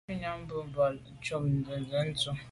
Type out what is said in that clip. Shutnyàm be bole, ntshob nzenze ndù.